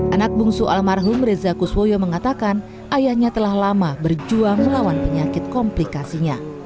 anak bungsu almarhum reza kuswoyo mengatakan ayahnya telah lama berjuang melawan penyakit komplikasinya